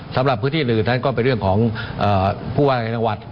สำหรับพืชที่อื่นก็เป็นเรื่องของผู้ว่านในนตรงหวัด